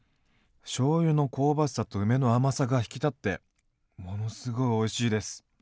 しょうゆの香ばしさと梅の甘さが引き立ってものすごいおいしいです。